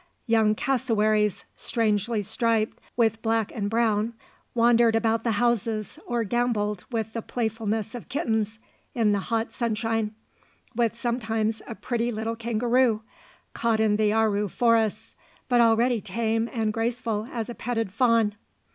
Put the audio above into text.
Young cassowaries, strangely striped with black and brown, wandered about the houses or gambolled with the playfulness of kittens in the hot sunshine, with sometimes a pretty little kangaroo, caught in the Aru forests, but already tame and graceful as a petted fawn.